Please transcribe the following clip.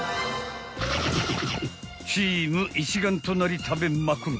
［チーム一丸となり食べまくる］